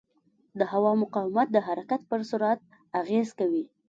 د هوا مقاومت د حرکت پر سرعت اغېز کوي.